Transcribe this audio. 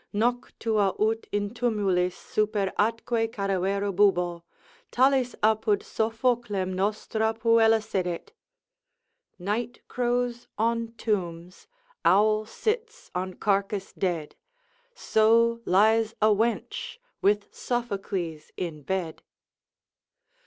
Noctua ut in tumulis, super atque cadavera bubo, Talis apud Sophoclem nostra puella sedet. Night crows on tombs, owl sits on carcass dead, So lies a wench with Sophocles in bed.